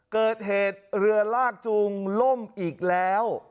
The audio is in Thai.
เกิดเหตุเรือลากจูงล่มอีกแล้ว